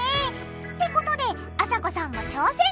ってことであさこさんも挑戦！